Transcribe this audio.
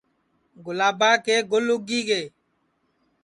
گُلابا کے گُل اُگی گے